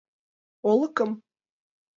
— Олыкым?..